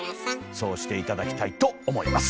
そうして頂きたいと思います！